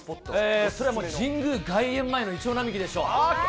それはもうね、神宮外苑前のイチョウ並木でしょう。